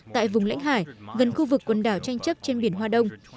tại vùng lãnh hải gần khu vực quần đảo tranh chấp trên biển hoa đông